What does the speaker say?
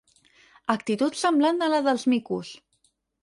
Actitud semblant a la dels micos.